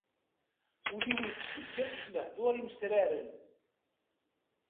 Ul-iw ittfeggiḍ s lehdur imesraren.